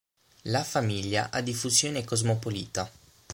La famiglia ha diffusione cosmopolita.